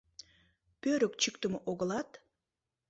Пӧрык чӱктымӧ огылат...